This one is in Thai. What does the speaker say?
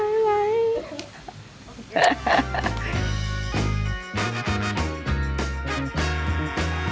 ช่วยเก็บภาษาที่หน้าของฉันหน่อยหน่อย